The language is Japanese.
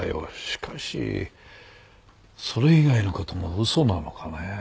しかしそれ以外の事も嘘なのかねえ。